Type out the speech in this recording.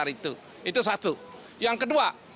itu satu yang kedua